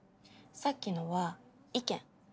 さっきのは意見。